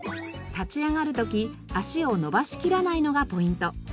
立ち上がる時足を伸ばしきらないのがポイント。